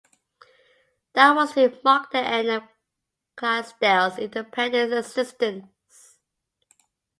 That was to mark the end of Clydesdale's independent existence.